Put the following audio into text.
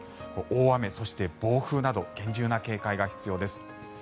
大雨、そして暴風など厳重な警戒が必要です。